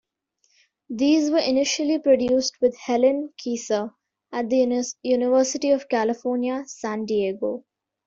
These were initially produced with Helene Keyssar at the University of California, San Diego.